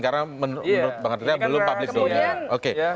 karena menurut bang artirah belum publik